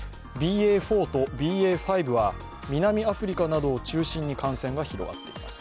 ＢＡ．４とＢＡ．５は南アフリカなどを中心に感染が広がっています。